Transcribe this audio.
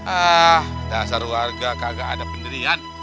ah dasar warga kagak ada pendirian